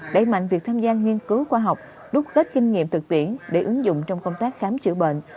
đẩy mạnh việc tham gia nghiên cứu khoa học đúc kết kinh nghiệm thực tiễn để ứng dụng trong công tác khám chữa bệnh